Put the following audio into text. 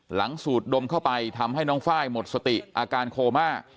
หลังสูตรดมเข้าไปทำให้น้องฟ้ายหมดสติอาการโคม่า